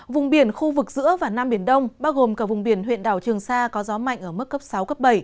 vùng biển khu vực giữa và nam biển đông bao gồm cả vùng biển huyện đảo trường sa có gió mạnh ở mức cấp sáu cấp bảy